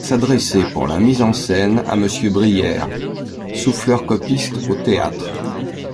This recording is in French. S'adresser, pour la mise en scène, à M.BRIERRE, souffleur-copiste au théâtre.